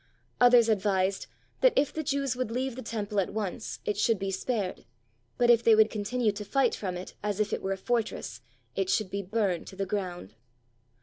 Others advised that if the Jews would leave the Temple at once it should be spared, but if they would continue to fight from it as if it were a fortress, it should be burned to the ground.